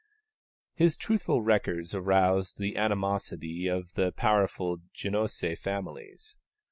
His truthful records aroused the animosity of the powerful Genoese families.